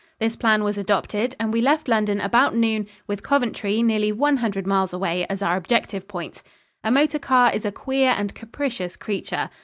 This plan was adopted and we left London about noon, with Coventry, nearly one hundred miles away, as our objective point. A motor car is a queer and capricious creature.